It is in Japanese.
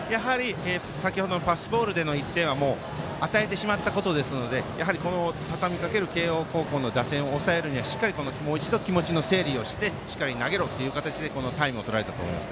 パスボールでの１点は与えてしまったことですのでこのたたみかける慶応高校の打線抑えるにはしっかりもう一度、気持ちの整理をしてしっかり投げろという形でタイムをとられたと思います。